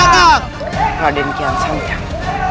hidup raden kiasatang